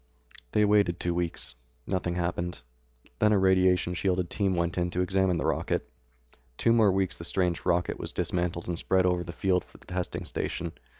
They waited two weeks. Nothing happened. Then a radiation shielded team went in to examine the rocket. Two more weeks and the strange rocket was dismantled and spread over the field of the testing station.